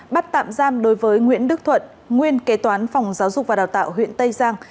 bắt tạm giam đối với nguyễn đức thuận nguyên kế toán phòng giáo dục và đào tạo huyện tây giang